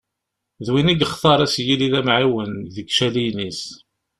D win i yextar ad s-yili d amεiwen deg icaliyen-is.